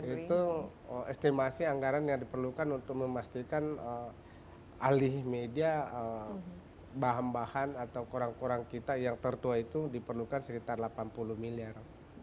itu estimasi anggaran yang diperlukan untuk memastikan alih media bahan bahan atau kurang kurang kita yang tertua itu diperlukan sekitar delapan puluh miliar